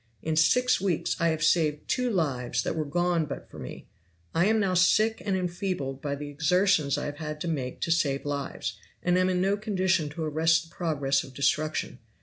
In six weeks I have saved two lives that were gone but for me. I am now sick and enfeebled by the exertions I have had to make to save lives, and am in no condition to arrest the progress of destruction.